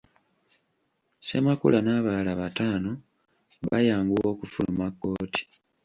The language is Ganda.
Ssemakula n’abalala bataano bayanguwa okufuluma kkooti.